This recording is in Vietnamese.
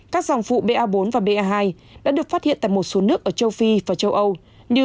các dòng phụ ba bốn và ba hai đã được phát hiện tại một số nước ở châu phi và châu âu như